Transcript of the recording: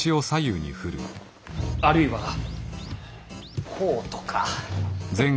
あるいはこうとか。